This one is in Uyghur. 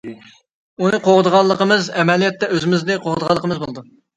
ئۇنى قوغدىغانلىقىمىز ئەمەلىيەتتە ئۆزىمىزنى قوغدىغانلىقىمىز بولىدۇ.